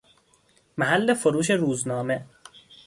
محل فروش روزنامه